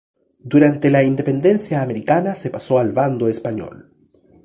Durante la independencia americana se pasó al bando español.